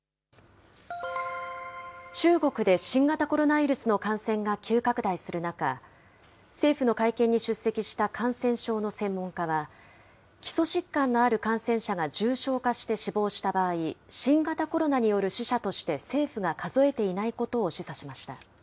中国で新型コロナウイルスの感染が急拡大する中、政府の会見に出席した感染症の専門家は、基礎疾患のある感染者が重症化して死亡した場合、新型コロナによる死者として政府が数えていないことを示唆しました。